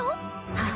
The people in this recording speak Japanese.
はい。